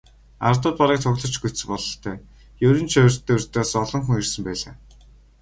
Ардууд бараг цугларч гүйцсэн бололтой, ер нь ч урьд урьдаас олон хүн ирсэн байлаа.